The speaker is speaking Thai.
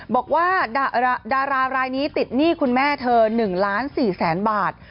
บอกว่าดารารายล์นี้ติดหนี้คุณแม่เธอ๑๔๐๐๐๐๐บาท